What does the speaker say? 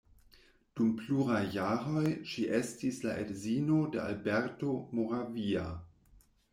Dum pluraj jaroj ŝi estis la edzino de Alberto Moravia.